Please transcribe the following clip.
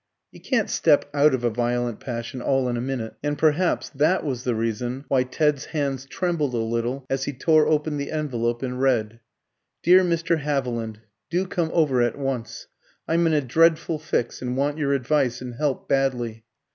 You can't step out of a violent passion all in a minute, and perhaps that was the reason why Ted's hands trembled a little as he tore open the envelope and read "DEAR MR. HAVILAND, Do come over at once. I'm in a dreadful fix, and want your advice and help badly.